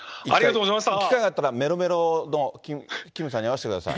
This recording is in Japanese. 機会があったらめろめろのキムさんに会わせてください。